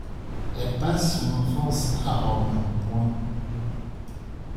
Elle passe son enfance à Rome.